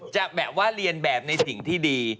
จะแบบว่าเรียนแบบในสิ่งที่ดี